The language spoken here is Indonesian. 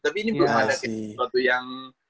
tapi ini belum ada sesuatu yang